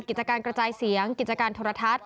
กิจการกระจายเสียงกิจการโทรทัศน์